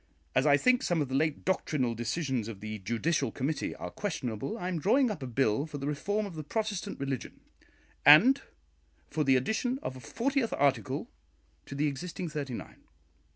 As I think some of the late doctrinal decisions of the judicial committee are questionable, I am drawing up a bill for the reform of the Protestant religion, and for the addition of a fortieth article to the existing thirty nine.